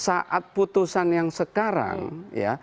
saat putusan yang sekarang ya